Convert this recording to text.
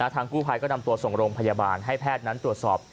ทางกู้ภัยก็นำตัวส่งโรงพยาบาลให้แพทย์นั้นตรวจสอบ